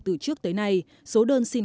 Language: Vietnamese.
từ trước tới nay số đơn xin